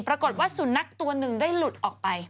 ปรากฏว่าสุนัขตัวหนึ่งได้หลุดออกไป